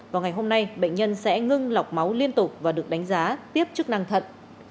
vào ngày hôm nay bệnh nhân sẽ ngưng lọc máu liên tục và được đánh giá tiếp chức năng thận